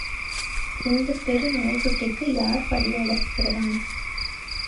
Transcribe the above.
இந்தத் தெரு நாய்க்குட்டிக்கு யார் படி அளக்கிறதாம்.?